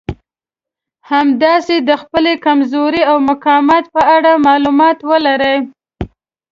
همداسې د خپلې کمزورۍ او مقاومت په اړه مالومات ولرئ.